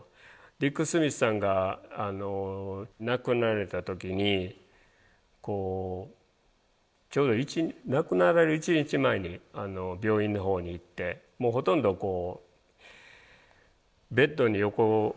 ディック・スミスさんが亡くなられた時にこうちょうど亡くなられる１日前に病院のほうに行ってもうほとんどベッドに横たわれて抜け殻の状態ですね。